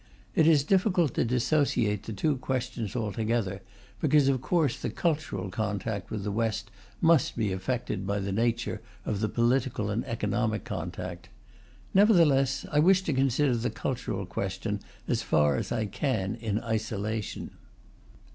It is difficult to dissociate the two questions altogether, because of course the cultural contact with the West must be affected by the nature of the political and economic contact. Nevertheless, I wish to consider the cultural question as far as I can in isolation.